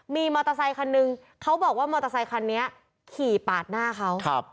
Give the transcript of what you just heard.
มีมอเตอร์ไซคันนึงเขาบอกว่ามอเตอร์ไซคันนี้ขี่ปาดหน้าเขา